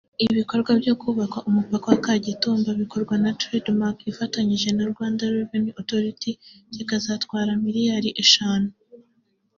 Ibikorwa byo kubaka umupaka wa Kagitumba bikorwa na Trade Mark ifatanyije na Rwanda Revenue Authority kikazatwara miliyari eshanu